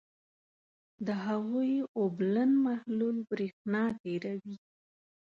د هغوي اوبلن محلول برېښنا تیروي.